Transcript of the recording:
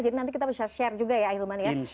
jadi nanti kita bisa share juga ya hilman ya